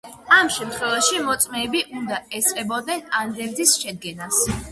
ამ შემთხვევაში მოწმეები უნდა ესწრებოდნენ ანდერძის შედგენას.